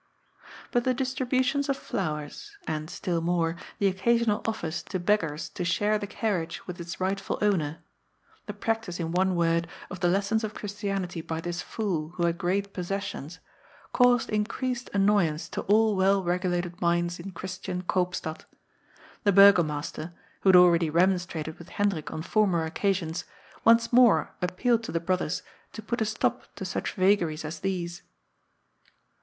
But the distributions of flowers, and, still more, the occasional offers to beggars to share the carriage with its rightful owner, the practice, in one word, of the lessons of Christianity by this fool who had great possessions, caused \ SOCIAL SCIENCE. 391 increased annoyance to all well regulated minds in Chris tian Koopstad. The Burgomaster, who had already re monstrated with Hendrik on former occasions, once more appealed to the brothers to put a stop to such vagaries as these.